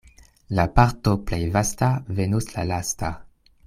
La parto plej vasta venos la lasta.